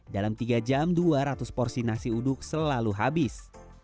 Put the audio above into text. dalam tiga jam dua ratus porsi nasi uduk selalu habis